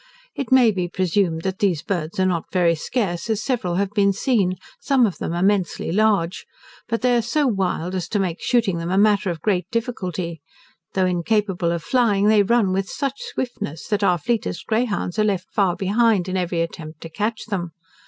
It may be presumed, that these birds are not very scarce, as several have been seen, some of them immensely large, but they are so wild, as to make shooting them a matter of great difficulty. Though incapable of flying, they run with such swiftness, that our fleetest greyhounds are left far behind in every attempt to catch them.